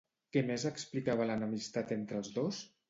Què més explicava l'enemistat entre els dos?